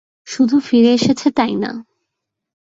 শুধু ফিরে এসেছে তাই না।